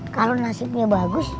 kalau nasibnya bagus